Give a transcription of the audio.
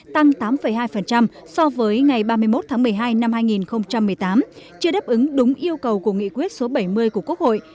tăng tám hai so với ngày ba mươi một tháng một mươi hai năm hai nghìn một mươi tám chưa đáp ứng đúng yêu cầu của nghị quyết số bảy mươi của quốc hội